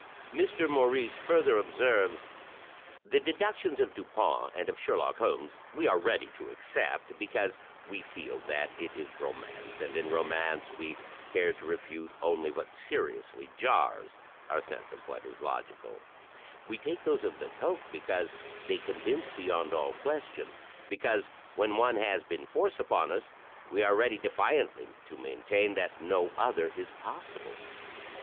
Mr. Maurice further observes: "The deductions of Dupin and of Sherlock Holmes we are ready to accept, because we feel that it is romance, and in romance we care to refute only what seriously jars our sense of what is logical; we take those of Lecoq, because they convince beyond all question, because when one has been forced upon us, we are ready defiantly to maintain that no other is possible."